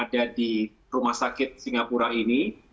ada di rumah sakit singapura ini